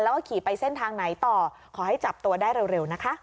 แล้วก็ขี่ไปเส้นทางไหนต่อขอให้จับตัวได้เร็วนะคะ